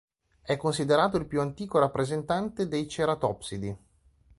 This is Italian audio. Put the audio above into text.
È considerato il più antico rappresentante dei ceratopsidi.